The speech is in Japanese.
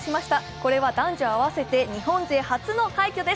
これは男女合わせて日本勢初の快挙です。